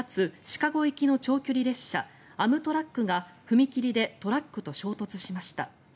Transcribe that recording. シカゴ行きの長距離列車、アムトラックが踏切でトラックと衝突しました。